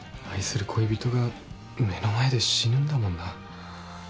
愛する恋人が目の前で死ぬんだもんな。